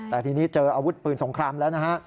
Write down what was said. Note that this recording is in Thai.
แต่ทีนี้เจออาวุธปืนสงครามแล้วนะฮะ